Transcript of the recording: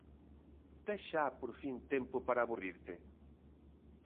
Tes xa, por fin, tempo para aburrirte?